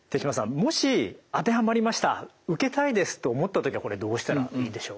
もし当てはまりました受けたいですと思った時はこれどうしたらいいでしょう？